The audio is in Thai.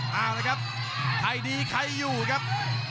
เอาละครับใครดีใครอยู่ครับ